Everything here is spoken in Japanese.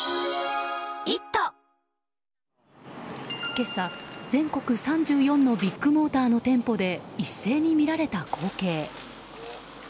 今朝、全国３４のビッグモーターの店舗で一斉に見られた光景。